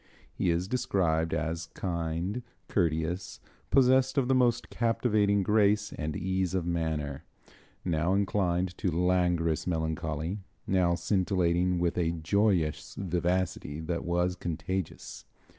He is described as kind, courteous, possessed of the most captivating grace and ease of manner, now inclined to languorous melancholy, now scintillating with a joyous vivacity that was contagious.